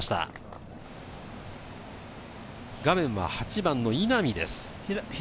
画面の８番の稲見です。